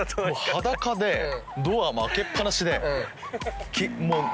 裸でドアも開けっ放しで。